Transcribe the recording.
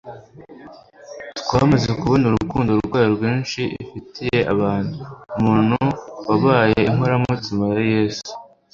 twamaze kubona urukundo rwayo rwinshi ifitiye abantu. Umuntu wabaye inkoramutima ya Yesu